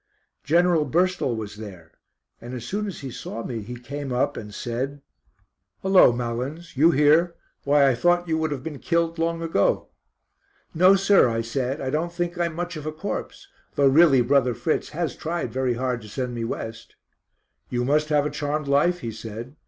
General Burstall was there, and as soon as he saw me he came up and said: "Hullo, Malins, you here? Why I thought you would have been killed long ago." "No, sir," I said, "I don't think I am much of a corpse, though really Brother Fritz has tried very hard to send me West." "You must have a charmed life," he said.